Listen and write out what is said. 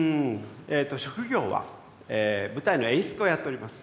えっと職業は舞台の演出家をやっております。